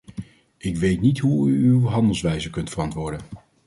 Ik weet niet hoe u uw handelwijze kunt verantwoorden.